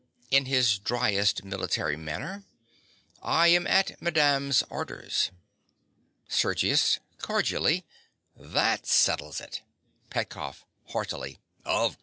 (in his driest military manner). I am at madame's orders. SERGIUS. (cordially). That settles it! PETKOFF.